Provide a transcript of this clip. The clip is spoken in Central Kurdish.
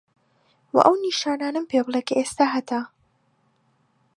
وە ئەو نیشانانەم پێ بلێ کە ئێستا هەتە؟